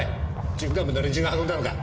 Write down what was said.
準幹部の連中が運んだのか？